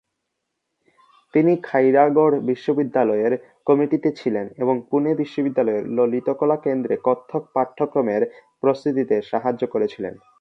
তিনি খাইরাগড় বিশ্ববিদ্যালয়ের কমিটিতে ছিলেন এবং পুনে বিশ্ববিদ্যালয়ের ললিতকলা কেন্দ্রে কত্থক পাঠ্যক্রমের প্রস্তুতিতে সাহায্য করেছিলেন।